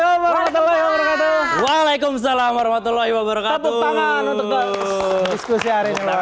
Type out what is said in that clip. salamualaikum salam warahmatullahi wabarakatuh